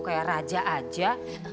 kayak raja aja